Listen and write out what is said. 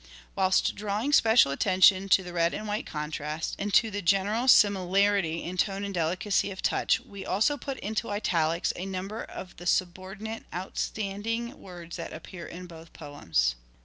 Whilst drawing special attention to the red and white contrast, and to the general similarity in tone and delicacy of touch, we also put in italics a number of the subordinate out standing words that appear in both poems.